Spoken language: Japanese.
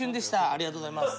ありがとうございます。